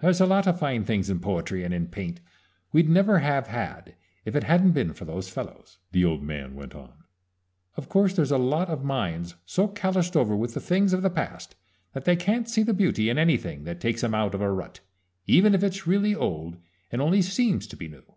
"There's a lot of fine things in poetry and in paint we'd never have had if it hadn't been for those fellows," the old man went on. "Of course there's a lot of minds so calloused over with the things of the past that they can't see the beauty in anything that takes 'em out of a rut, even if it's really old and only seems to be new.